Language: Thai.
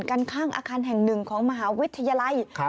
กันข้างอาคารแห่งหนึ่งของมหาวิทยาลัย